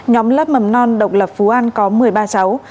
nhóm lớp mầm non độc lập phú an có một mươi ba cháu